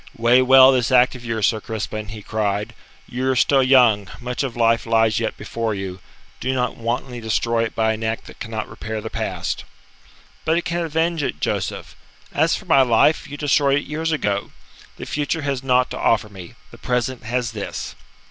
"Weigh well this act of yours, Sir Crispin," he cried. "You are still young; much of life lies yet before you. Do not wantonly destroy it by an act that cannot repair the past." "But it can avenge it, Joseph. As for my life, you destroyed it years ago. The future has naught to offer me; the present has this."